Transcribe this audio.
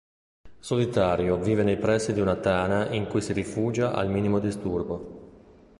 Solitario, vive nei pressi di una tana in cui si rifugia al minimo disturbo.